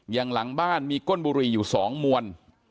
อย่างหลังบ้านมีก้นบุรีอยู่๒มวล